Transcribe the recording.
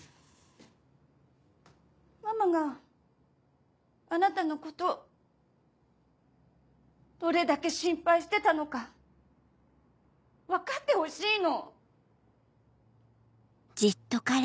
ママがあなたのことどれだけ心配してたのか分かってほしいの！